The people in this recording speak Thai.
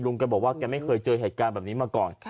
แกบอกว่าแกไม่เคยเจอเหตุการณ์แบบนี้มาก่อน